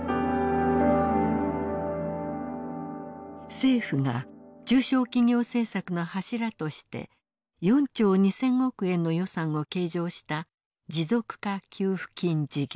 政府が中小企業政策の柱として４兆２，０００億円の予算を計上した持続化給付金事業。